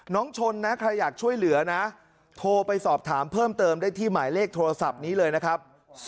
น้องชนนะใครอยากช่วยเหลือนะโทรไปสอบถามเพิ่มเติมได้ที่หมายเลขโทรศัพท์นี้เลยนะครับ